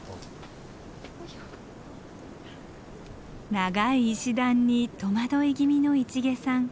長い石段に戸惑い気味の市毛さん。